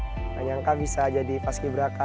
nggak nyangka bisa jadi paskibraka